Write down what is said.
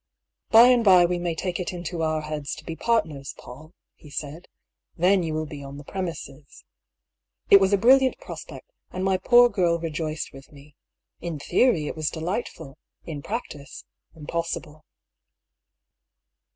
"By and by we may take it into our heads to be partners, Paull," he said. " Then you will be on the premises." It was a brilliant prospect, and my poor girl rejoiced with me. In theory, it was delightful ; in practice, im possible.